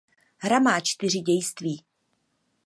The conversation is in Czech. Hra má čtyři dějství.